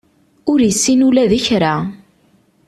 Ur issin ula d kra.